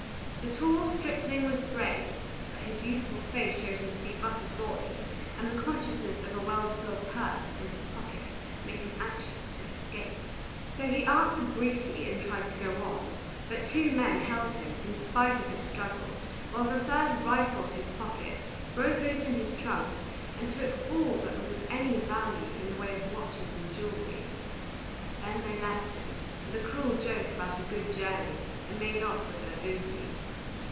The tall stripling was brave, but his youthful face showed him to be but a boy, and the consciousness of a well filled purse in his pocket made him anxious to escape. So he answered briefly, and tried to go on. But two men held him, in spite of his struggles, while the third rifled his pockets, broke open his trunks, and took all that was of any value in the way of watches and jewelry. Then they left him, with a cruel joke about a good journey, and made off with their booty.